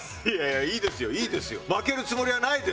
いやいいですよいいですよ。